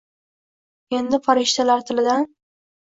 endi farishtalar tilidan